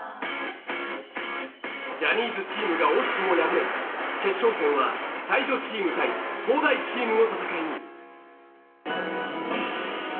ジャニーズチームが惜しくも敗れ決勝戦は才女チーム対東大チームの戦いに。